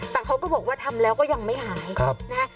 แต่เขาก็บอกว่าทำแล้วก็ยังไม่หายนะฮะ